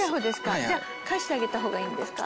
じゃあ返してあげた方がいいんですか？